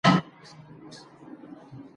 زه همدا اوس خپل کور ته روان یم